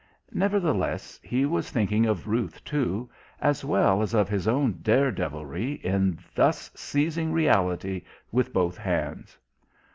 Nevertheless, he was thinking of Ruth, too, as well as of his own dare devilry in thus seizing reality with both hands.